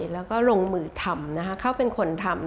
แล้วก็ลงมือทำนะคะเขาเป็นคนทำ